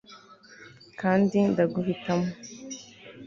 kandi ndaguhitamo